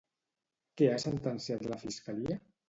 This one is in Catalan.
Què ha sentenciat la fiscalia?